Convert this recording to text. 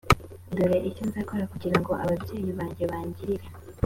dore icyo nzakora kugira ngo ababyeyi banjye bangirire